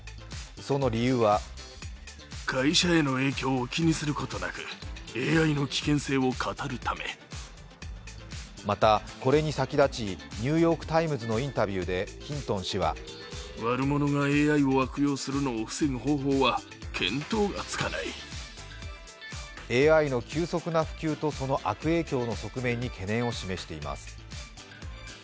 その理由はまたこれに先立ち「ニューヨーク・タイムズ」のインタビューでヒントン氏はＡＩの急速な普及とその悪影響の側面に懸念を示しています。